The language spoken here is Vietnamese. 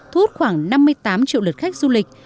thu hút khoảng năm mươi tám triệu lượt khách du lịch